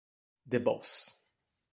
The Boss